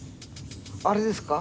あれですか？